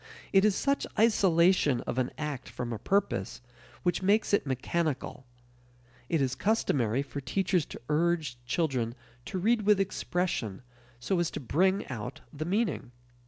It is such isolation of an act from a purpose which makes it mechanical. It is customary for teachers to urge children to read with expression, so as to bring out the meaning.